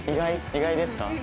意外ですか？